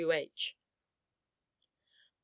W.H. Rev.